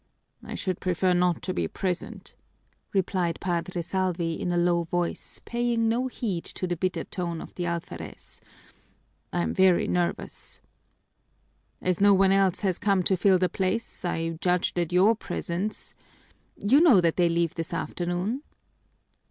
"I should prefer not to be present," replied Padre Salvi in a low voice, paying no heed to the bitter tone of the alferez. "I'm very nervous." "As no one else has come to fill the place, I judged that your presence You know that they leave this afternoon."